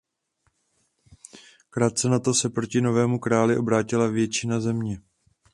Krátce nato se proti novému králi obrátila většina země.